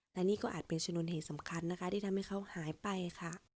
แต่นี่ก็อาจเป็นชนวนเหตุสำคัญนะคะที่ทำให้เขาหายไปค่ะ